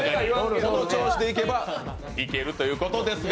この調子でいければいいということですが。